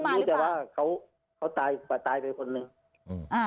ไม่รู้มาหรือเปล่า